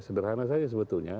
sederhana saja sebetulnya